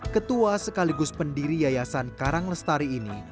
ketua sekaligus pendiri yayasan karang lestari ini